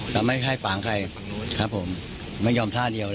เราไม่ให้ฝางใครครับผมไม่ยอมท่าเดียวเลย